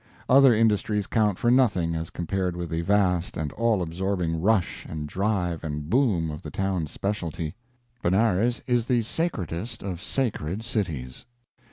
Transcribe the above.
Other industries count for nothing as compared with the vast and all absorbing rush and drive and boom of the town's specialty. Benares is the sacredest of sacred cities.